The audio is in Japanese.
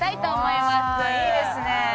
いいですねえ。